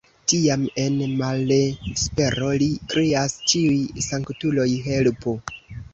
Tiam en malespero li krias: Ĉiuj sanktuloj helpu!